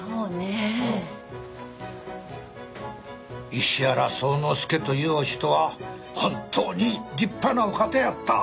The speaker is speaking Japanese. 石原宗之助というお人は本当に立派なお方やった。